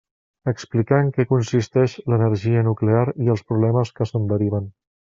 Explicar en què consisteix l'energia nuclear i els problemes que se'n deriven.